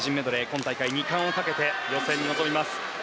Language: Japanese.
今大会２冠をかけて予選に臨みます。